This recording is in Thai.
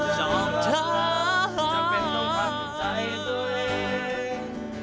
จำเป็นต้องขัดใจตัวเอง